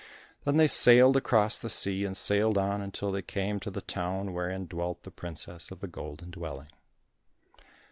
Then they sailed across the sea, and sailed on until they came to the town wherein dwelt the princess of the Golden Dwelling.